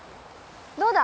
どうだ！